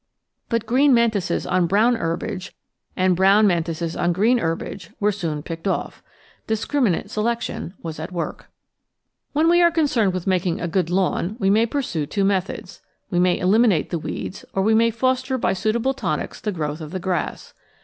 But green Mantises on brown herbage and brown Mantises on green herbage were soon picked off. Discriminate selection was at work. 386 The Outline of Science When we are concerned with making a good lawn we may pursue two methods. We may eliminate the weeds or we may foster by suitable tonics the growth of the grass.